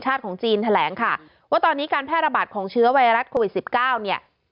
ของจีนแถลงค่ะว่าตอนนี้การแพร่ระบาดของเชื้อไวรัสโควิดสิบเก้าเนี่ย